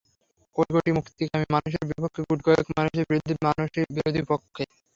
কোটি কোটি মুক্তিকামী মানুষের বিপক্ষে গুটি কয়েক মানুষের বিরুদ্ধে মানুষই বিরোধী পক্ষে।